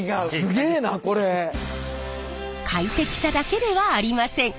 快適さだけではありません。